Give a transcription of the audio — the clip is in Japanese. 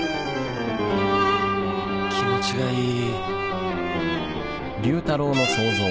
気持ちがいい